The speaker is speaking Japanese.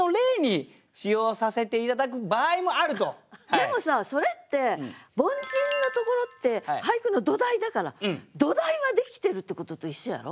でもさそれって凡人のところって俳句の土台だから土台はできてるってことと一緒やろ？